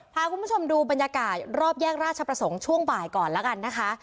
พาคุณผู้ชมดูบรรยากาศรอบแยกราชประสงค์ช่วงบ่ายก่อนแล้วกันนะคะ